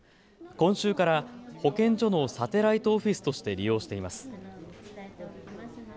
今週から保健所のサテライトオフィスとして利用しています。